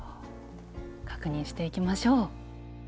確認していきましょう！